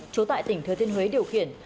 trú tại tỉnh thứa thiên huế điều khiển